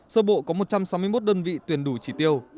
sơ bộ có một trăm sáu mươi một đơn vị tuyển đủ chỉ tiêu